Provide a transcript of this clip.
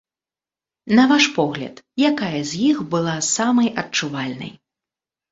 На ваш погляд, якая з іх была самай адчувальнай?